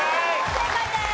正解です。